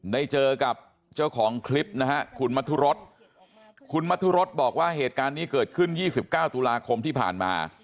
ได้เจอกับเจ้าของคลิปนะฮะคุณมัธุรสคุณมัธุรสบอกว่าเหตุการณ์นี้เกิดขึ้น๒๙ตุลาคมที่ผ่านมา